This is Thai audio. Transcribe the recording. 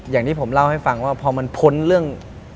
อย่างที่ผมเล่าให้ฟังว่าพอมันพ้นเรื่อง